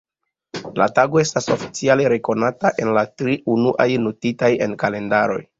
La tago estas oficiale rekonata en la tri unuaj, notita en kalendaroj.